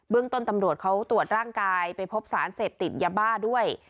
ต้นตำรวจเขาตรวจร่างกายไปพบสารเสพติดยาบ้าด้วย